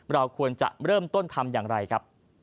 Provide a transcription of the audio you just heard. เราควรจะเริ่มต้นทำอย่างไรครับ